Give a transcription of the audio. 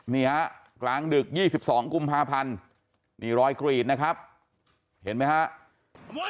นี่ฮะกลางดึก๒๒กุมภาพันธ์นี่รอยกรีดนะครับเห็นไหมครับ